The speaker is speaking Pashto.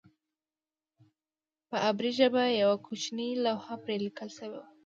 په عبري ژبه یوه کوچنۍ لوحه پرې لیکل شوې وه.